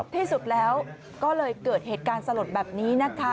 ที่สุดแล้วก็เลยเกิดเหตุการณ์สลดแบบนี้นะคะ